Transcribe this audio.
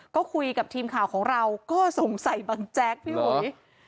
ก็คุยกับทีมข่าวของเราก็สงสัยบังแจ๊กพี่อุ๋ย